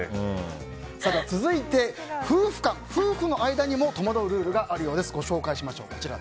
続いて、夫婦間、夫婦の間にも戸惑うルールがあるようです。